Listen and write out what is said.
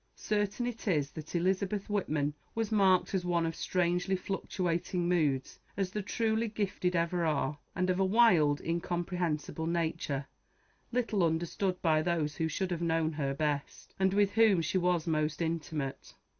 Certain it is that Elizabeth Whitman was marked as one of strangely fluctuating moods, as the truly gifted ever are, and of a wild, incomprehensible nature, little understood by those who should have known her best, and with whom she was most intimate.